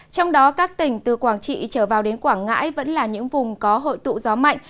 trong đó các tỉnh từ quảng trị trở vào đến quảng ngãi vẫn là những vùng có hội tụ gió mạnh